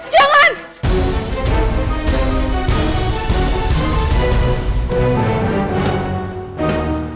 tenangkan sama aku